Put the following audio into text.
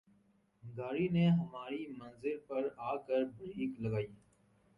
گاڑی نے ہماری منزل پر آ کر بریک لگائی